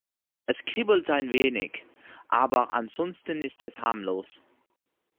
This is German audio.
Es kribbelt ein wenig, aber ansonsten ist es harmlos.